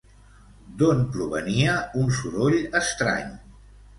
D'on provenia un soroll estrany?